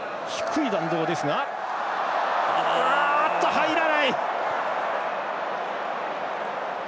入らない！